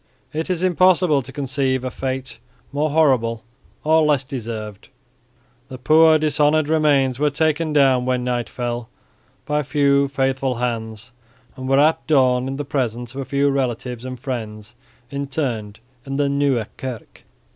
It is impossible to conceive a fate more horrible or less deserved. The poor dishonoured remains were taken down when night fell by faithful hands and were at dawn in the presence of a few relatives and friends interred in the Nieuwe Kerk.